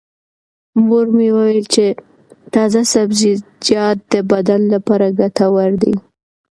مور مې وویل چې تازه سبزیجات د بدن لپاره ګټور دي.